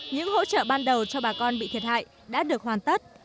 những hỗ trợ ban đầu cho bà con bị thiệt hại đã được hoàn tất